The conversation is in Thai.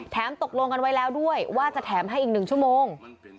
ตกลงกันไว้แล้วด้วยว่าจะแถมให้อีก๑ชั่วโมง